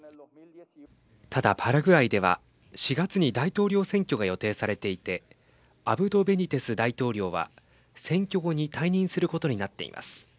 ただ、パラグアイでは４月に大統領選挙が予定されていてアブド・ベニテス大統領は選挙後に退任することになっています。